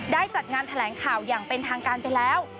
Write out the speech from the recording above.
จัดงานแถลงข่าวอย่างเป็นทางการไปแล้ว